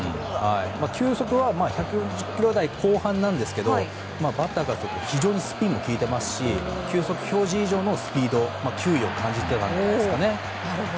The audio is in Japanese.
球速は１４０キロ台後半ですがバッターからすると非常にスピンも効いていますし球速表示以上のスピード球威を感じていたんでしょうね。